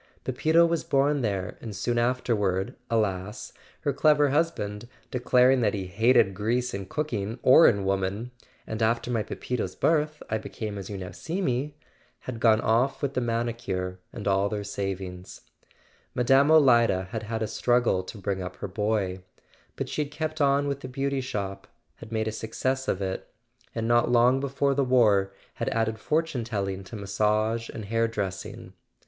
Pepito was born there and soon afterward, alas, her clever husband, declaring that he "hated grease in cooking or in woman" ("and after my Pepito's birth I became as you now see me"), had gone off with the manicure and all their savings. Mine. Olida had had a struggle to bring up her boy; but she had kept on with the Beauty Shop, had made a success of it, [ 387 ] A SON AT THE FRONT and not long before the war had added fortune telling to massage and hair dressing.